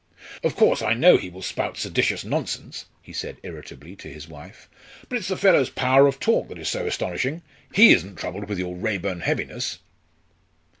"Of course, I know he will spout seditious nonsense," he said irritably to his wife, "but it's the fellow's power of talk that is so astonishing. He isn't troubled with your Raeburn heaviness."